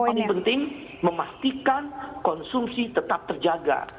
ini penting memastikan konsumsi tetap terjaga